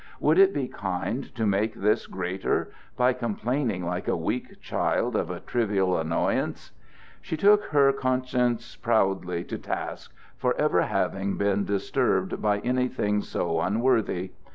Would it be kind to make this greater by complaining like a weak child of a trivial annoyance? She took her conscience proudly to task for ever having been disturbed by anything so unworthy.